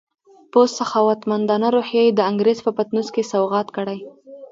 په سخاوتمندانه روحیه یې د انګریز په پطنوس کې سوغات کړې.